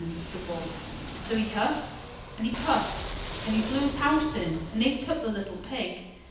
said the Wolf. So he huffed and he puffed, and he blew his house in, and ate up the little Pig.